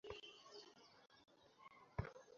হ্যাঁ, আনছি।